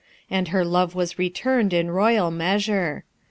And her love was returned in roy a ] measure.